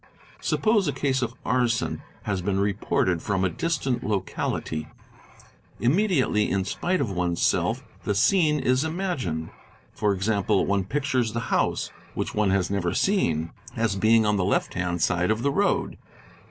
Suppose a case of arson has been reported from a — distant locality: immediately in spite of one's self the scene is imagined ; for example, one pictures the house, which one has never seen, as being on the left hand side of the road.